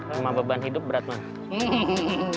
rumah beban hidup berat mas